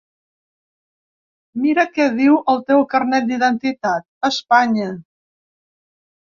Mira què diu el teu carnet d’identitat: Espanya!